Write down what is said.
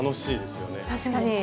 確かに！